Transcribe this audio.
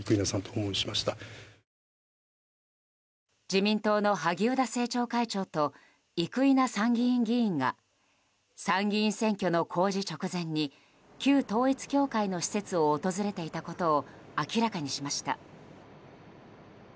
自民党の萩生田政調会長と生稲参議院議員が参議院選挙の公示直前に旧統一教会の施設を訪れていたことを明らかにしました。